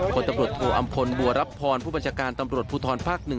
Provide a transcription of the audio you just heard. ตำรวจโทอำพลบัวรับพรผู้บัญชาการตำรวจภูทรภาค๑